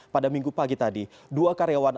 pada minggu pagi tadi dua karyawan